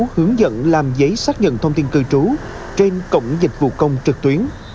hướng dẫn làm giấy xác nhận thông tin cư trú trên cổng dịch vụ công trực tuyến